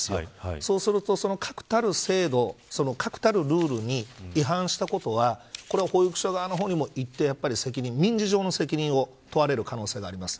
そうすると、その確たる制度確たるルールに違反したことはこれは保育所側の方にも一定民事上の責任を問われる可能性があります。